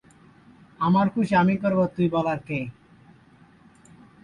বাংলার পাল রাজারা খুব বড়মাপের শাসক ছিলেন।